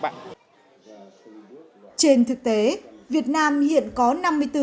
trên thực tế việt nam hiện có năm mươi doanh nghiệp